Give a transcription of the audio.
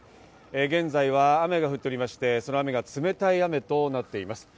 現在は雨が降っておりまして、その雨が冷たい雨となっています。